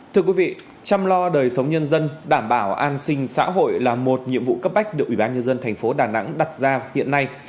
thưa quý vị chăm lo đời sống nhân dân đảm bảo an sinh xã hội là một nhiệm vụ cấp bách được ủy ban nhân dân tp đà nẵng đặt ra hiện nay